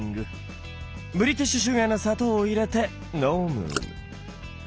ブリティッシュ・シュガーの砂糖を入れて飲む。